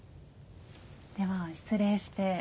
では失礼して。